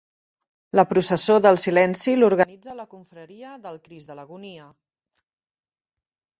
La Processó del Silenci l'organitza la Confraria del Crist de l'Agonia.